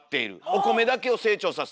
お米だけを成長さす。